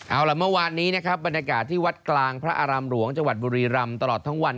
เอาล่ะเมื่อวานนี้นะครับบรรยากาศที่วัดกลางพระอารามหลวงจังหวัดบุรีรำตลอดทั้งวัน